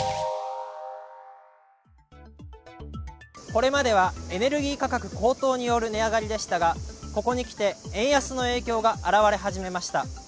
これまではエネルギー価格高騰による値上がりでしたがここにきて円安の影響が表れ始めました。